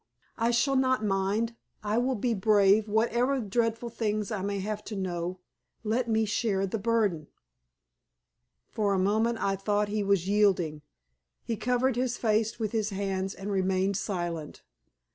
"I shall not mind. I will be brave, whatever dreadful things I may have to know. Let me share the burden." For a moment I thought that he was yielding. He covered his face with his hands and remained silent.